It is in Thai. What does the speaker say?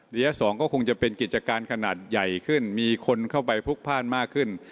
ระยะ๒ก็คงจะเป็นกิจการขนาดใหญ่ขึ้นมีคนเข้าไปพลุกพ่านมากขึ้น